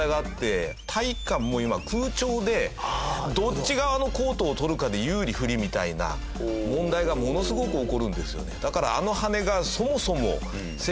体育館も今空調でどっち側のコートを取るかで有利不利みたいな問題がものすごく起こるんですよね。